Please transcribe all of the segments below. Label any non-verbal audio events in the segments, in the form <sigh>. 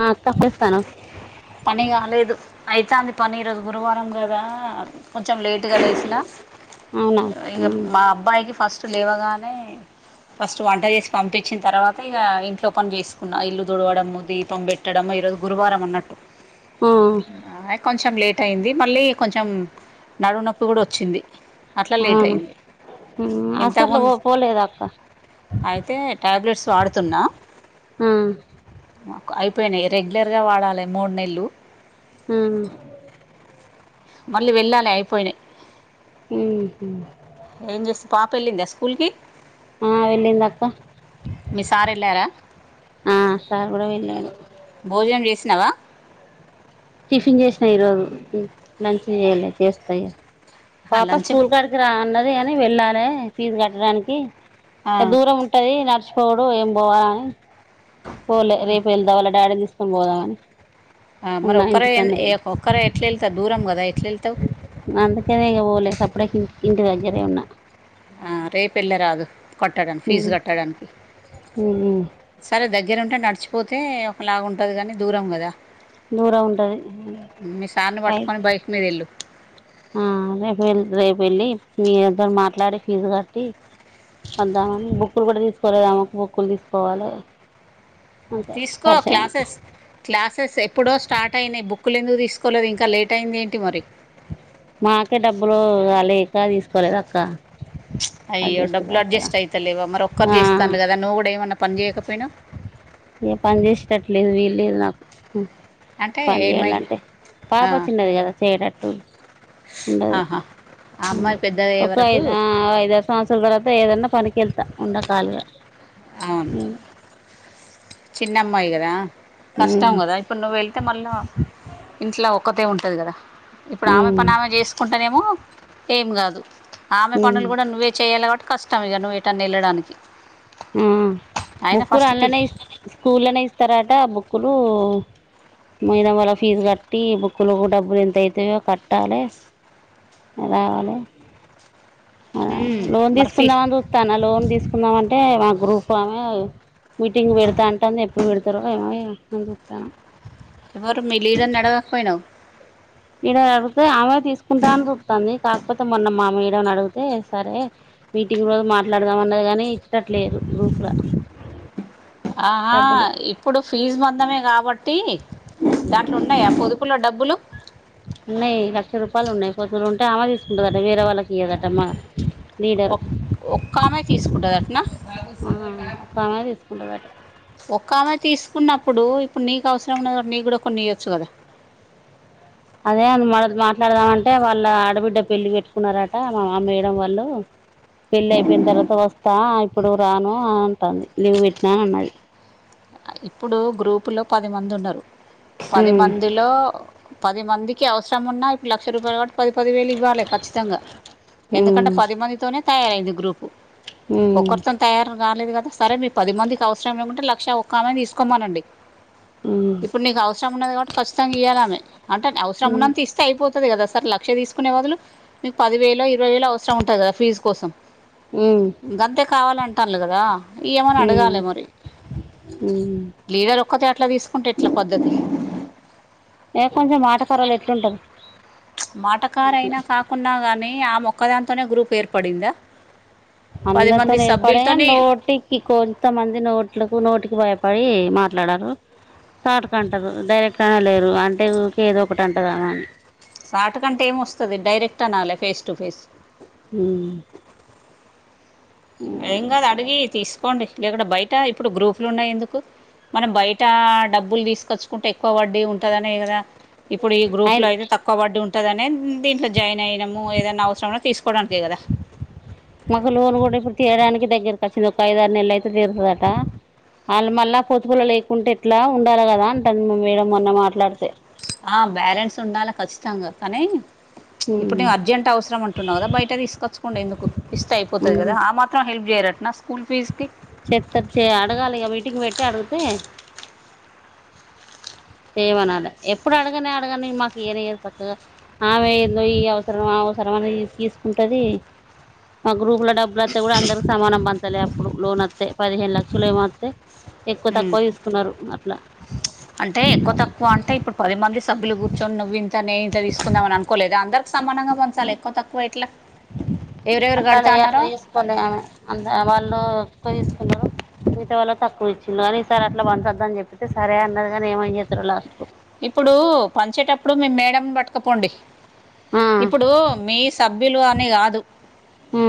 ఆ అక్క చేస్తాను పని కాలేదు అయితంది పని ఈరోజు గురువారం కదా కొంచెం లేటుగా లేసినా అవునా ఇంగ ఉమ్ మా అబ్బాయికి ఫస్ట్ లేవగానే ఫస్ట్ వంట చేసి పంపించిన తర్వాత ఇగ ఇంట్లో పని చేసుకున్న ఇల్లు తుడవడము దీపం పె కట్టడమ ఇ రోజు గురువారం అన్నట్టు ఉమ్ కొంచెం లేట్ అయింది మళ్ళీ కొంచెం నడువు నొప్పి కూడా వచ్చింది అట్లా లేట్ అవును అయింది ఉమ్ హాస్పిటల్ పో ఇంతముందు పోలేదా అక్క అయితే టాబ్లెట్స్ వాడుతున్నా ఆ మాకు అయిపోయినాయి రెగ్యులర్గా వాడాలే మూడు నెల్లు ఆ మళ్ళీ వెళ్ళాలే అయిపోయినాయి మ్ హు ఏం చేస్ పాప వెళ్ళిందా స్కూల్ కి ఆ వెళ్ళిందక్క మీ సార్ వెళ్ళారా ఆ సార్ కూడా వెళ్ళాడు భోజనం చేసినావా టిఫిన్ చేసిన ఈరోజు లంచ్ చేయాలే చేస్త ఇగ ఆహా, పాప లంచ్ స్కూల్ కా రా అన్నది కాని వెళ్ళాలే ఫీజ్ కట్టడానికి ఆ, దూరం ఉం టది నడుచిపోవుడు ఏం పోవాలని పోలే రేపు వెళ్దా వాళ్ళ డాడీని తీసుకొని పోదామని ఆ మరి ఉన్నా ఒక్కరే ఇంటికనే ఏ ఒక్కరే ఎట్ల వెళ్తార్ దూరం కదా ఎట్ల వెళ్తావ్ అందుకనే ఇగ పోలేదు సప్పుడేకి ఇంటి దగ్గరే ఉన్న ఆ రేపెళ్ల్ళ రాదు కట్టడం ఫీజు ఉమ్ కట్టడానికి ఉమ్ సరే దగ్గరూంటే నడిచిపోతే ఒకలాగ ఉంటది కానీ దూరం కదా దూరం ఉంటది మీ సార్ని అయి పట్టుకొని బైక్ మీద వెల్ళు ఆ రేపు వెల్ రేపు వెళ్ళి మీ తోని మాట్లాడి ఫీజు కట్టి పద్దామని బుక్కులు కూడా తీసుకోలేదామేకు బుక్కులు తీసుకుపోవాలి తీసుకో క్లాసెస్ క్లాసెస్ ఎప్పుడో స్టార్ట్ అయినాయి బుక్లు ఎందుకు తీసుకోలేదు ఇంకా లేట్ అయింది ఏంటి మరి మాకే డబ్బులు లేక తీసుకోలేదక్క అయ్యో డబ్బు అడ్జస్ట్ అవుతలేవా మరి ఒక్కరు ఆ చేస్తళ్ళు కదా నువ్వు కూడా ఏమన్నా పని చేయకపోయినవ్ ఇగ పని చేసేటట్టు లేదు వీలు లేదు నాకు మ్ అంటే పని ఏమై చేయాలంటే పాప ఆ, చిన్నది కదా చేయనట్టు చిన్నది ఆహా ఆ మ్ అమ్మాయి పెద్దదయ్యే ఒక వరకు ఐదు ఆ ఐదర్ సంవత్సరాల తర్వాత ఏదన్నా పనికేళ్తా ఉండ కాలీగా అవును చిన్నమ్మాయి కదా కష్టం ఉమ్ కాదా ఇప్పుడు నువెవ్ తే మళ్ళ ఇంట్లో ఒక్కతే ఉంటది కదా ఇప్పుడు ఆమె ఉమ్ పని ఆమె చేసుకుంటేనేమో ఏం కాదు ఆమె పనులు కూడా ఆ నువ్వే చేయాలి కాబట్టి కష్టం ఇగ నువ్వు ఏటన్న వెళ్ళడానికి ఆ అయినా బుక్కులు ఫస్ట్ పిల్ అన్లనే స్కూల్లనే ఇస్తారాట బుక్కులు మేడం వల్ల ఫీజు కట్టి బుక్కులకు డబ్బులు ఎంత అయితయో కట్టాలే రావాలే ఆ ఉమ్, లోన్ మరి ఫీ తీసుకుందామని చు త్తన లోన్ తీసుకుందామంటే మా గ్రూప్ ఆమె మీటింగ్ పెడుతా అంటంది ఎప్పుడు పెడుతారో ఏమో అని చుత్తన ఎవరు మి లీడర్నడగకపోయినావ్ లీడర్ అడిగుతే ఆమె తీసుకుంటా అని చూతంది కాకపోతే మొన్న మా మేడంను అడుగుతే సరే మీటింగ్ రోజు మాట్లాడుదాం అన్నది కాని ఇచ్చటట్లేదు గ్రూపుల ఆహా ఇ ఇప్పుడు ఫీజు మందమే కాబట్టి దాంట్లో ఉన్నాయా పొదుపులో డబ్బులు స ఉన్నాయి లక్ష రూపాయలు ఉన్నాయి కొద్లు ఉంటే అమె తీసుకుంటుందట వేరే వాళ్ళకి ఇయ్యదటమ్మా ఒక్క ఒక్కమె తీసుకుంటది అట్నా ఆ, ఒక ఆమె తీసుకుంటుందట ఒక్క ఆమె తీసుకున్నప్పుడు ఇప్పుడు నీకు అవసరం ఉన్న నీకు కూడా కొన్ని ఇయొచ్చు కదా అదే <unintelligible> మాట్లాడదామంటే వాళ్ళ ఆడబిడ్డ పెళ్ళి పెట్టుకున్నారట మా మా మేడం వాళ్ళు పెళ్లి అయిపోయిన తర్వాత వస్తా ఇప్పుడు రాను అంటంది లీవ్ పెట్టినా అన్నది ఇప్పుడు గ్రూపు లో పది మంది ఉన్నారు పది ఉమ్, మంది ల్ లో పది మందికి అవసరం ఉన్నా లక్ష రూపాయలు కాబట్టి పది పదివేలు ఇవ్వాలి ఖచ్చితంగా ఎందుకంటే ఉమ్, పది మందితోనే తయారయింది గ్రూపు ఉమ్, ఒకరితోని తయారు రాలేదు కదా సరే మీకు పది మందికి అవసరం లేకుంటే లక్ష ఒక్కఆమె తీసుకోమనండి ఉమ్, ఇప్పుడు నీకు అవసరం ఉన్నది కాబట్టి ఖచ్చితంగా ఇయ్యాలామె అంటే అవసరం ఉమ్, ఉన్నంత ఇస్తే అయిపోతది కదా సర్ లక్ష తీసుకునే వదులు మీకు పదివేలో ఇరవై వేలో అవసరం ఉంటది కదా ఫీజ్ కోసం మ్మ్ ఇంకంతే కావాల అంటల్లు కదా ఇయ్యమని అడగాలి మరి మ్మ్ లీడర్ ఒక్కతే అట్లా తీసుకుంటే ఎట్ల పద్దతి ఏ కొంచెం ఆటకారలు ఎట్లుంటారు అట్లా మాటకారైనా కాకున్నా గానీ ఆమొక్కదాంతోనే గ్రూప్ ఏర్పడిందా పది మంది అందరితోనీ ఏర్పడగా సభ్యులతోని నోటికి కొన్ కొంతమంది నోట్లకు నోటికి భయపడి మాట్లాడరు సాటుకు అంటారు డైరెక్ట్ గా అనలేరు అంటే ఊకె ఏదో ఒకటి అంటది ఆమె అని సాటుకు అంటే ఏం వస్తది డైరెక్ట్ అనాలి ఫేస్ టు ఫేస్ మ్మ్ ఏం కాదు అడిగి తీసుకోండి లేకుంటే బయట ఇప్పుడు గ్రూపులు ఉన్నాయి ఎందుకు మనం బయట డబ్బులు తీసుకచ్చుకుంటే ఎక్కువ పడ్డి ఉంటందినే కదా ఇప్పుడు ఈ గ్రూప్ ఆయన లో అయితే తక్ క్కవ వడ్డీ ఉంటదనే దీంట్లో జాయిన్ అయినాము ఏదనా అవసరం ఉన్న తీసుకోవడానికె కదా మాకు లోన్ కూడా ఇప్పుడు తీయడానికి దగ్గరకి వచ్చింది ఒక ఐదు ఆరు నెల్లు అయితే తీరుతుందట వాళ్ళు మళ్ళా పొతుపుల్లలు లేకుంటే ఉండాల కదా అంటాను మా మేడం మొన్న మాట్లాడితే ఆ బ్యాలెన్స్ ఉండాలి ఖచ్చితంగా కానీ ఇప్పుడు నేను అర్జెంట్ అవసరం అంటున్నావు కదా బయట తీసుకొచ్చకుండా ఎందుకు ఇష్ట అయిపోతది కదా ఆ మాత్రం హెల్ప్ చేయరటన స్కూల్ ఫీజ్ కి చెత్తర్ చే అడగాలి ఇగ మీటింగ్ పెట్టి అడిగితే చేయమనాల ఎప్పుడు అడగనే అడగా మాకు ఇయ్యనే ఇయ్యరు సక్కగా ఆమె ఏందో ఈ అవసరం ఆ అవసరం అనేది తీసుకుంటది మా గ్రూపు లో డబ్బు బ్బులోత్తే కూడా అందరికి సమానం పంచలే అప్పుడు లోన్ వత్తే పదిహేను లక్షలు ఏమో వత్తే ఎక్కువ ఉమ్. తక్కువ తీసుకున్నారు అట్లా అంటే ఎక్కువ తక్కువ అంటే ఇప్పుడు పది మంది సభ్యులు కూర్చొని నువ్వు ఇంతనే తీసుకుందామని అనుకోలేదు అందరికి సమానంగా పంచాలి ఎక్కువ తక్కువ ఎట్ల అట్లనే అట్లా తీసుకోలే ఆమె అంత వాళ్ళు ఎక్కువ తీసుకుంటారు మిగతా వాల్లకు తక్కువ ఇచ్చింది కానీ ఈ సారి అట్ల పంచద్దని చెప్పితే సరే అన్నది కానీ ఏమో ఏం చేస్తారు లాస్ట్ ఇప్పుడు పంచేటప్పుడు మీ మేడం బట్టుకపోండి ఇప్పుడు మీ సభ్యులు అని కాదు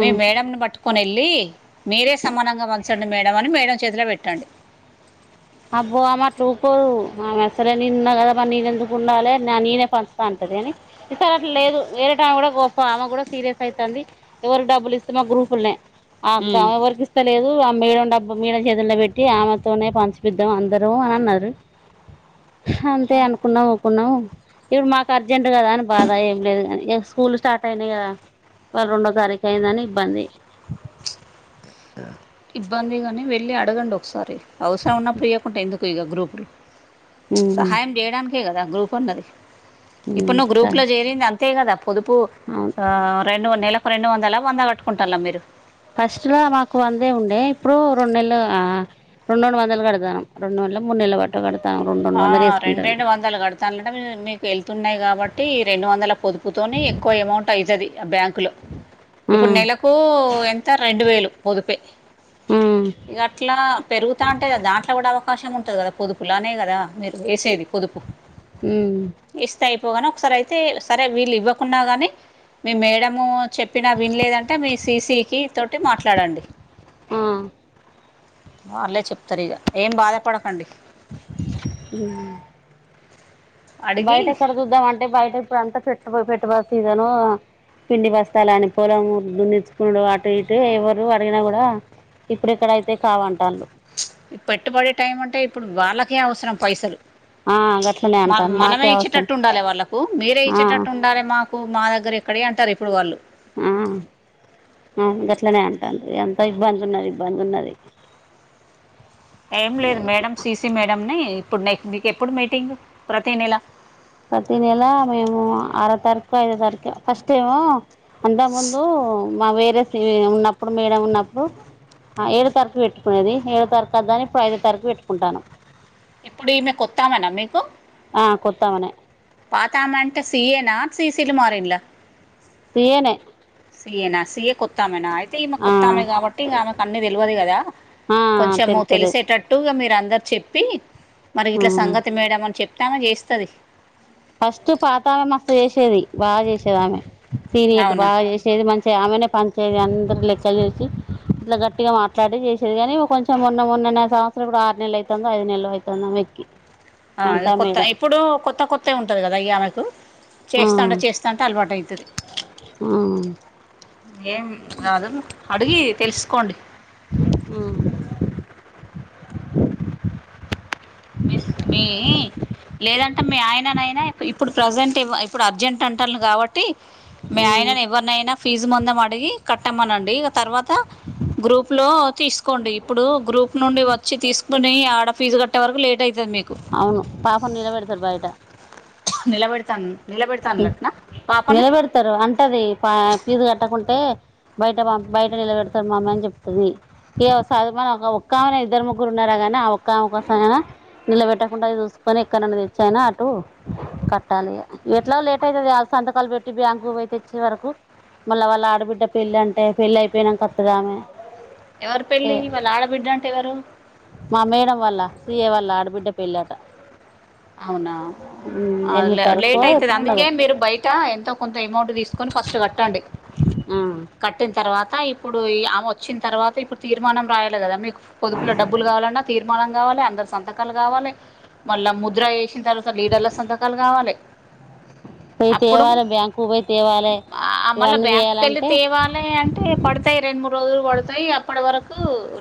మీ మేడని పట్టుకుని ఏ వెళ్ళి మీరే సమానంగా పంచండి మేడం అని మేడం చేతిలో పెట్టండి అబ్బో ఆమె అట్ల ఊకోదు ఆమె సరే నేను ఉన్నా కదా మరి నేను ఎందుకు ఉండాలి నా నేనే పంచుతా అంటది కానీ ఈసారి అట్ల లేదు వేరేటయమ్మ కూడా పో కమె కూడా సీరియస్ అయితంది ఎవరికి డబ్బులు ఇస్తే మా గ్రూపుల్నే ఆ అక్క ఉమ్. ఎవరికి ఇస్తా లేదు ఆ మేడం డబ్బు మేడం చేతుల్లో పెట్టి ఆమెతోనే పంచు పిద్దాం అందరూ అని అన్నారు అంతే అనుకున్నాం కున్నాం ఇప్పుడు మాకు అర్జెంట్ కదా అని బాధ ఏం లేదు గాని ఇగ‌ స్కూల్ స్టార్ట్ అయినాయి కదా ఇయళ్ళ రెండో తారీఖు అయిందని ఇబ్బంది ఇబ్బంది గాని వెళ్ళి అడగండి ఒకసారి అవసరం ఉన్నప్పుడు ఇయ్యకుంటే ఎందు కు ఇగ గ్రూపులు ఉమ్, సహాయం చేయడానికే కదా గ్రూప్ ఉన్నది ఇప్పుడు ఉమ్, నువ్వు సరే గ్రూప్‌లో చేరింది అంతే కదా పొదుపు అవును ఆ రెండు నెల కు రెండు వందల వంద కట్టుకుంటాళ్ళ మీరు ఫస్ట్‌లో మాకు వందే ఉండే ఇప్పుడు రెండు నెల్లు ఆ రెండు రెండు వందలు కడతన్నాం రెండు నెల్లో మూడు నెల్లో బట్టు కడతన్నాం రెండు రెండు వందలు ఎసుకుంటాన్నం దలు కడతాళ్ళంటే మీకు ఎళ్తున్నాయి కాబట్టి ఈ రెండు వందల పొదుపుతోనే ఎక్కువ అమౌంట్ అయితది ఆ బ్యాం కులో ఆ, ఇప్పుడు నెలకు ఎంత రెండు వేలు పొదుపే ఆ, ఇగ అట్లా పెరుగుతాంటే దాంట్లో కూడా అవకాశం ఉంటంది కదా పొదుపులానే క దా మీరు ఎసేది పొదుపు ఉమ్మ్ ఇస్తే అయిపోగాని ఒకసారి అయితే సరే వీళ్ళు ఇవ్వకున్నా గాని మీ మేడము చెప్పినా విన్లేదంటే మీ సీసీకి తోటి మాట్లాడండి ఆ వాళ్లే చెప్తారు ఇగ ఏం బాధపడకండి ఉమ్ అడిగి బయట ఎక్కడ చూద్దామంటే బయట ఇప్పుడంతా పెట్టు పెట్టుబడు సిజను పిండి బస్తాలని పొలం దున్నిచ్చికునుడు అటు ఇటు ఎవరు అడిగినా కూడా ఇప్పుడెక్కడ అయితాయి కావంటాళ్ళు ఈ పెట్టుబడి టైమంటే ఇప్పుడు వాళ్ళకే అవసరం పైసలు ఆ, గట్లనే మ అంటాను మనమే మాకే అవసరం ఇచ్చేటట్టు ఉండాలి వాళ్ళలకు మీరే ఆ, ఇచ్చేటట్టు ఉండాలి మా కు మా దగ్గర ఎక్కడయి అంటారు ఇప్పుడు వాళ్ళు ఆ ఆ గట్లనే అంటళ్ళు ఎంత ఇబ్బందున్నది ఇబ్బంది ఉన్నది ఎం ఏం లేదు మేడం సీసీ మేడంని ఇప్పుడు నెక్ నీక్ ఎప్పుడు మీటింగ్ ప్రతీ నెల ప్రతి నెల మేము ఆరో తారీఖు ఐదో తారీఖు ఫస్ట్ ఏమో అంతకు ముందు మా వేరే సి ఉన్నప్పుడు మేడం ఉన్నప్పుడు ఆ ఏడో తారీకు పెట్టుకునేది ఏడో తారీకు అద్దని ఇప్పుడు ఐదో తారీకు పెట్టుకుంటానం ఇప్పుడు ఈమె కొత్త ఆమెనా మీకు ఆ కొత్తమెనే పాతామె అంటే సీఏనా సీసీలు మారిళ్ళ సీఏనే సీఏనా సీఏ కొత్తామెనా అయి తిమె కుత్తామే కాబట్టి ఇగ ఆమెకు అన్ని తెలువదు కదా కొంచెము తెలుతలేదు తెలిసేట ట్టు ఇగ మీరందరు చెప్పి మరి గిట్లా సంగతి మేడం అని చెప్తే ఆమె చేస్తది ఫస్ట్ పాతామె మస్తు చేసేది బాగా చేసేది ఆమె సీనియర్ట్ అవునా బాగా చే సేది మంచిగా ఆమెనే పంచేది అందరు లెక్కలు చేసి ఇట్లా గట్టిగా మాట్లాడి చేసేది కానీ కొంచెం మొన్న మొన్ననే సంవత్సరం ఇప్పుడు ఆరు నెల్లు అయితుందో ఐదు నెల్లు అయితుందో ఆమెకి ఆ ఇగ కొత్త ఇప్పుడు కొత్త కొత్తగా ఉంటది కదా ఇగ ఆమెకు ఆ చేస్తాంటే చేస్తాంటే అలవాటైతది ఆ ఏం రాదు అడిగి తెలుసుకోండి మ్ మిస్ మీ లేదంటే మీ ఆయననైనా ఇప్పుడు ప్రజెంట్ ఇప్పుడు అర్జెంట్ అంటాలు కాబట్టి ట్టి మీ ఆ ఆయనని ఎవరినైనా ఫీజు ముందం అడిగి కట్టామనండి తర్వాత గ్రూప్లో తీసుకోండి ఇప్పుడు గ్రూప్ నుండి వచ్చి తీసుకుని ఆడ ఫీజు కట్ ట్టే వరకు లేటయ్యి అవును పాపను నిలబెడతారు బయట నిలబెడతాన్ నిలబెడతాన్లట్న పాపని తారు అంటది పా పీజు కట్టకుంటే బయట బయట నిలబెడతారు మమ్మి అని చెప్ తది ఎమో ఒక ఒక్కామెనె ఇద్దరు ముగ్గురు ఉన్నారా గాని ఆ ఒక్కామె కోసం అయిన నిలబెట్టకుండా చూసుకొని ఎక్కడ నుండైన తెచ్చాయినా అటు కట్టాలి ఇగ ఎట్లాగో లేట్ అయితది సంతకాలు పెట్టి బ్యాంకు పోయి తెచ్చే వరకు మళ్ళీ వాళ్ళ ఆడబిడ్డ పెళ్లి అంటే పెళ్లి అయిపోయినాక వత్తదామె ఎవరు పెళ్ళి ఏ వాళ్ళ ఆడబిడ్డ అంటే ఎవరు మా మేడం వల్ల సి ఎ వాళ్ళ ఆడబిడ్డ పెళ్ళట అవునా ఉమ్, అ ఎనిమిది లే లె తారీఖు లేేట్ అయితది ఎప్పుడు అందుకే ఉండదు మీరు బయట ఎంతో కొంత అమౌంట్ తీసుకొని ఫస్ట్ కట్టండి ఆ, కట్టిన తర్వాత ఇప్పుడు ఆమె వచ్చిన తర్వాత ఇప్పుడు తీర్మానం రాయాలి కదా మీకు పొదుపుల డబ్బులు కావాలన్నా తీర్మానం కావాలి అందరు సంతకాలు కావాలి మళ్ళా ము ద్రా వేసిన తర్వాత లీడర్ల సంతకాలు కావాలి పోయి అప్పుడు తేవాలి బ్యాంకు పోయి తేవాలి ఆ మళ్ల ఇవన్నీ బ్యాంకుకెళ్ళి చేయాలంటే తేవాలే అంటే పడతాయి రెండు మూడు రోజులు పడతాయి అప్పటి వరకు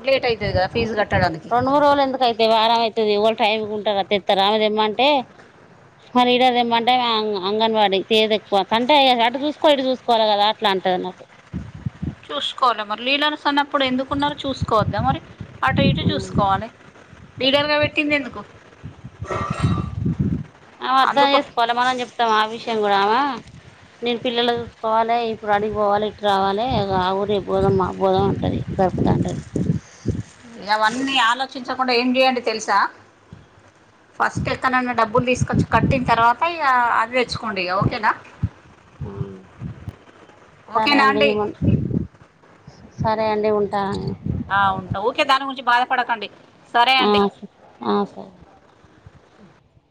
లేట్ అయితదిగ ఫీజు కట్టడానికి నూ రోలు ఎందుకు అయితయ్ వారం అయితది ఇవాళ టైమ్కి ఉంటారా తెత్తార ఆమె తెమ్మంటే మరి ఇడదేమ్మంటే అంగన్ అంగన్వాడీ తేద ఎక్వ అంటే అటు చూసుకో ఇటు చూసుకోవాలి కదా ఇట్లా అంటారు నాకు చూసుకోవాల మర్ లీల్లను తను అప్పుడు ఎందుకున్నారు చూసుకోవద్దా మరి అటు ఇటు చూసుకోవాలే డీగర్గా పెట్టింది ఎందుకు ఆమె అర్థం అందుకో చేసుకోవాలి మనం చెప్తామ ఆ విషయం కూడా ఆమా నేను పిల్లలు చూసుకోవాలి ఇప్పుడు అడిగి పోవాలి ఇటు రావాలి ఆ ఊరు ఏ బోదాం మా బోదం అంటది సప్తాటంది ఇవన్నీ ఆలోచించకుండా ఏం చేయండి తెలుసా ఫస్ట్ ఎక్కన్ననా డబ్బులు తీసుకొచ్చి కట్టిన తర్వాత ఇగ అది కోండి ఇగ ఓకేనా అంటది ఓకేనా అండి సరే అండి ఉంటా ఆ ఉంటా ఓకే దాని గురించి బాధపడకండి సరే ఆ అండి సరే ఆ సరే